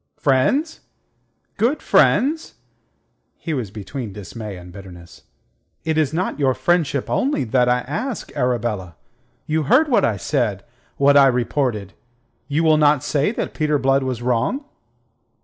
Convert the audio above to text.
"Friends! Good friends?" He was between dismay and bitterness. "It is not your friendship only that I ask, Arabella. You heard what I said, what I reported. You will not say that Peter Blood was wrong?"